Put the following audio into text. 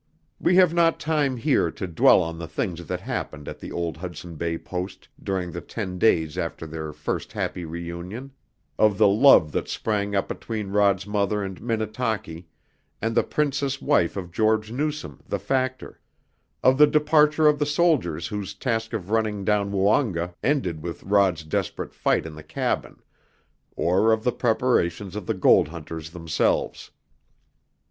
We have not time here to dwell on the things that happened at the old Hudson Bay Post during the ten days after their first happy reunion of the love that sprang up between Rod's mother and Minnetaki, and the princess wife of George Newsome, the factor; of the departure of the soldiers whose task of running down Woonga ended with Rod's desperate fight in the cabin, or of the preparations of the gold hunters themselves.